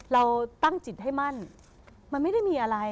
เราตั้งจิตให้มั่นมันไม่ได้มีอะไร